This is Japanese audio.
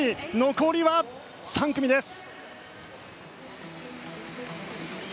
残りは３組です。